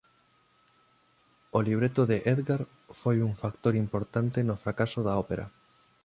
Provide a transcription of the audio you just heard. O libreto de "Edgar" foi un factor importante no fracaso da ópera.